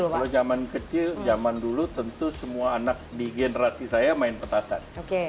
kalau zaman kecil zaman dulu tentu semua anak di generasi saya main petasan